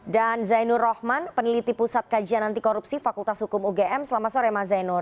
dan zainur rohman peneliti pusat kajian antikorupsi fakultas hukum ugm selamat sore mbak zainur